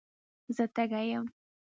زه تږي یم.